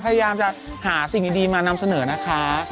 พยายามจะหาสิ่งดีมานำเสนอนะคะ